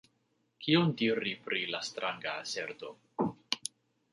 Kion diri pri tia stranga aserto?